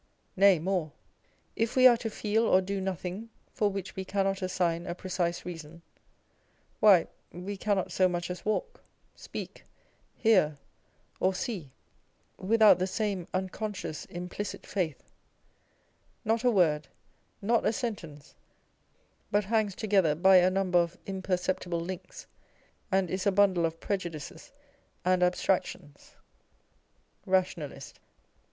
Nay more, if we are to feel or do nothing for which we cannot assign a precise reason, why we cannot so much as walk, speak, hear, or see, without the same unconscious, implicit faith â€" not a word, not a sentence but hangs together by a number of imperceptible links, and is a bundle of prejudices and abstractions. nationalist.